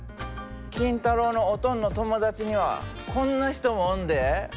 金太郎のおとんの友達にはこんな人もおんで。